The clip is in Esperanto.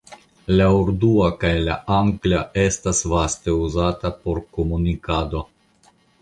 La urdua kaj la angla estas vaste uzata por komunikado.